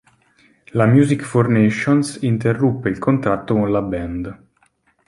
La Music for Nations interruppe il contratto con la band.